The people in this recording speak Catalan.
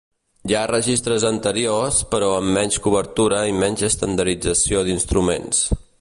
Hi ha registres anteriors, però amb menys cobertura i menys estandardització d'instruments.